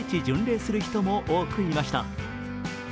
巡礼する人も多くいました。